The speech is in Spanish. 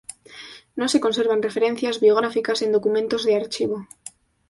No se conservan referencias biográficas en documentos de archivo.